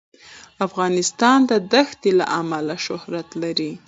افغانستان د دښتې له امله شهرت لري.